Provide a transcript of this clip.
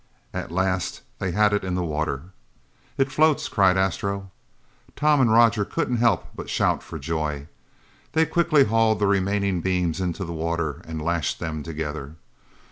At last they had it in the water. "It floats," cried Astro. Tom and Roger couldn't help but shout for joy. They quickly hauled the remaining beams into the water and lashed them together.